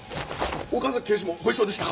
岡崎警視もご一緒でしたか！